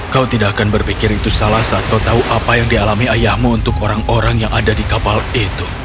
kau tidak akan berpikir itu salah saat kau tahu apa yang dialami ayahmu untuk orang orang yang ada di kapal itu